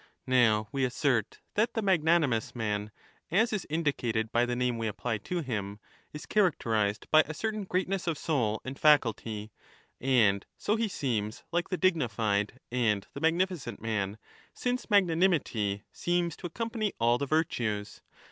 1232^ ETHICA EUDEMIA Now, we assert that the magnanimous man, as is indicated by the name we apply to him, is characterized by a certain 30 greatness of soul and faculty ; and so he seems like the digni fied and the magnificent man, since ^ magnanimity seems to accompany all the virtues.